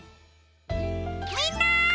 みんな！